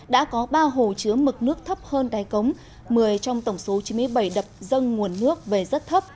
đã có ba hồ chứa mực nước thấp hơn đáy cống một mươi trong tổng số chín mươi bảy đập dâng nguồn nước về rất thấp